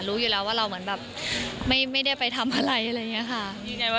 รู้อยู่แล้วว่าเราเหมือนแบบไม่ได้ไปทำอะไรอะไรอย่างนี้ค่ะ